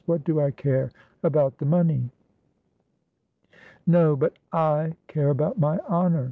"What do I care about the money?" "No, but I care about my honour!"